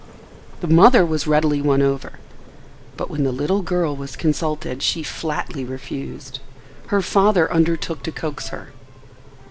The mother was readily won over, but when the little girl was consulted she flatly refused. Her father undertook to coax her.